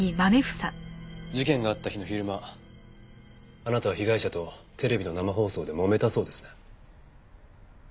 事件があった日の昼間あなたは被害者とテレビの生放送でもめたそうですね？